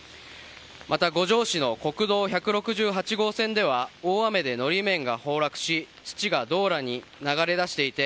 また五條市の国道１６８号線では大雨で法面が崩落し土が道路に流れ出していて